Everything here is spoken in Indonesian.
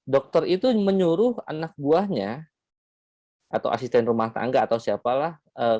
dokter itu menyuruh anak buahnya atau asisten rumah tangga atau siapalah